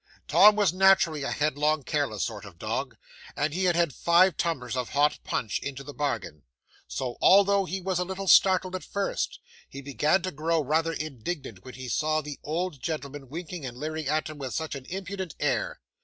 'Tom was naturally a headlong, careless sort of dog, and he had had five tumblers of hot punch into the bargain; so, although he was a little startled at first, he began to grow rather indignant when he saw the old gentleman winking and leering at him with such an impudent air.